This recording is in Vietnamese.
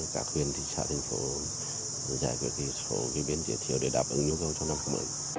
các huyện thì chạy đến phố giải quyết thì phố biên chế thiếu để đáp ứng nhu cầu trong năm hai nghìn hai mươi